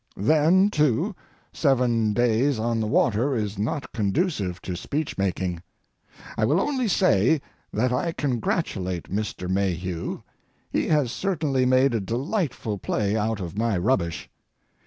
Then, too, seven days on the water is not conducive to speech making. I will only say that I congratulate Mr. Mayhew; he has certainly made a delightful play out of my rubbish.